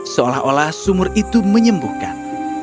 seolah olah sumur itu menyembuhkan